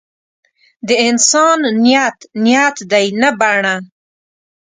د انسان نیت نیت دی نه بڼه.